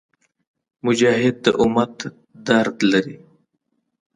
مجاهد د امت درد لري.